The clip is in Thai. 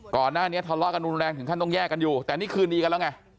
ก่อนหน้านี้ทะเลาะกันรุนแรงถึงขั้นต้องแยกกันอยู่แต่นี่คืนดีกันแล้วไง